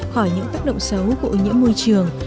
khỏi những tác động xấu của ô nhiễm môi trường